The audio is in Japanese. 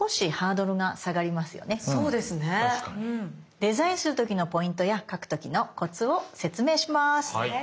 デザインする時のポイントや描く時のコツを説明します。